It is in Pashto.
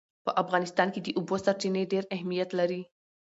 په افغانستان کې د اوبو سرچینې ډېر اهمیت لري.